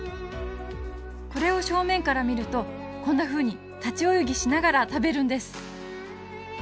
これを正面から見るとこんなふうに立ち泳ぎしながら食べるんです。